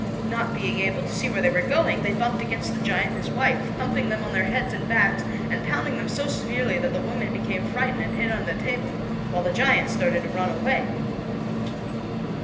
Not being able to see where they were going, they bumped against the giant and his wife, thumping them on their heads and backs, and pounding them so severely that the woman became frightened and hid under the table, while the giant started to run away.